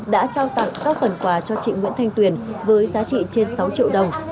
đã trao tặng các phần quà cho chị nguyễn thanh tuyền với giá trị trên sáu triệu đồng